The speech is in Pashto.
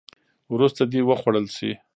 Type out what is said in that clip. وروسته دې وخوړل شي.